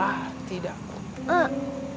ah tidak boleh